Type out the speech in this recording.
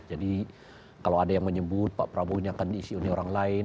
jadi kalau ada yang menyebut pak prabowo ini akan diisi oleh orang lain